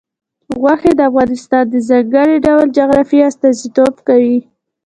غوښې د افغانستان د ځانګړي ډول جغرافیه استازیتوب کوي.